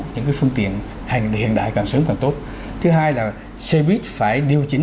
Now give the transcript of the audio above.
những phương tiện hiện đại càng sớm càng tốt thứ hai là xe buýt phải điều chỉnh